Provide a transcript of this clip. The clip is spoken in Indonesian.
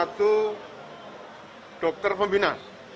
satu dokter pembina